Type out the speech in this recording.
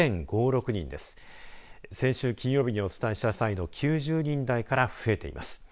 先週金曜日にお伝えした際の９０人台から増えています。